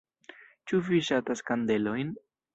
Ĉu vi ŝatas kandelojn?